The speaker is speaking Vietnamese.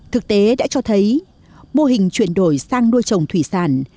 thực tế đã cho thấy mô hình chuyển đổi sang nuôi trồng thủy sản